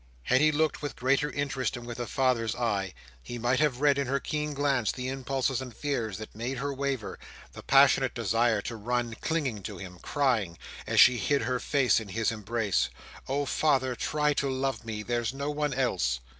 Had he looked with greater interest and with a father's eye, he might have read in her keen glance the impulses and fears that made her waver; the passionate desire to run clinging to him, crying, as she hid her face in his embrace, "Oh father, try to love me! there's no one else!"